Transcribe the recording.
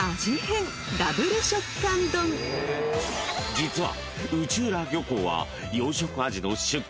［実は］